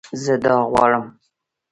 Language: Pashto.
زه دا غواړم